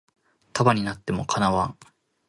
束なっても叶わん